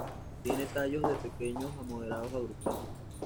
Tiene tallos de pequeños a moderados, agrupados.